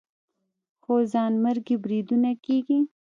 خو ځانمرګي بریدونه کېږي